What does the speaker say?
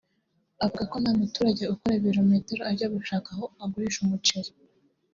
Avuga ko nta muturage ukora ibi bilometero ajya gushaka aho agurisha umuceri